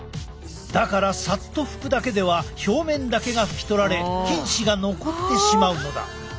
だからさっと拭くだけでは表面だけが拭き取られ菌糸が残ってしまうのだ。